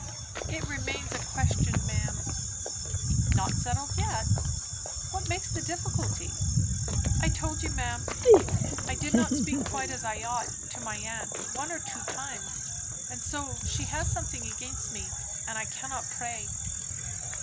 "It remains a question, ma'am." "Not settled yet? What makes the difficulty?" "I told you, ma'am. I did not speak quite as I ought to my aunt, one or two times, and so she has something against me; and I cannot pray."